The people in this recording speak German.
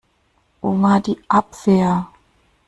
Wo war die Abwehr?